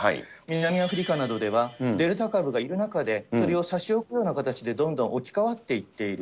南アフリカなどでは、デルタ株がいる中で、それを差し置くような形でどんどん置き換わっていっている。